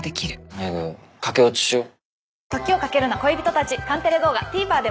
廻駆け落ちしよう。